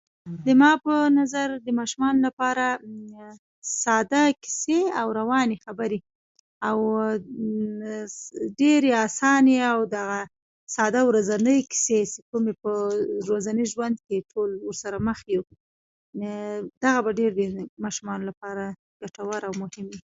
زما په نظر د ماشومانو لپاره ساده کیسې او روانې خبرې او ډېرې آسانې او دغه ساده ورځنی کیسې چې کومې په ورځني ژوند کې ټول ورسره مخ یو دغه به ډېرې ماشومانو لپاره ګټورې او مهم وي.